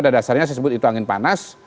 sebenarnya saya sebut itu angin panas